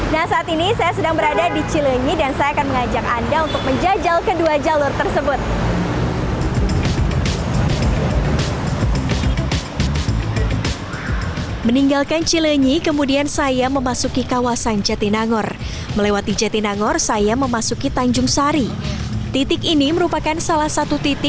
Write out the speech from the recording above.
nah saat ini saya sedang berada di cilenyi dan saya akan mengajak anda untuk menjajalkan dua jalur tersebut